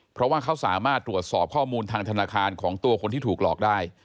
เพราะว่าเขาสามารถตรวจสอบข้อมูลทางธนาคารของตัวคนที่ถูกหลอกได้